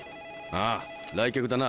あ来客だな。